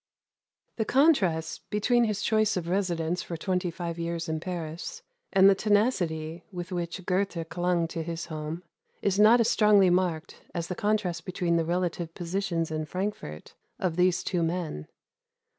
The contrast between his choice of residence for twenty five years in Paris, and the tenacity with which Goethe clung to his home, is not as strongly marked as the contrast between the relative positions in Frankfort of these two men.